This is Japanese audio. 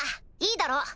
いいだろう。